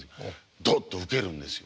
ドッとウケるんですよ。